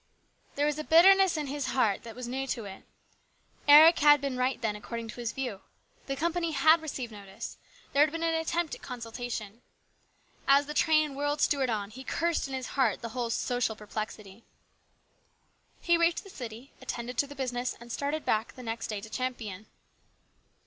There was a bitterness in his heart that was new to it. Eric had been right then, according to his view. The company had received notice. There had been an attempt at consultation. As the train whirled Stuart on, he cursed in his heart the whole social perplexity. He reached the city, attended to the business, and started back the next day to Champion.